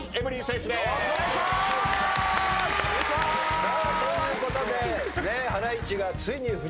さあということで。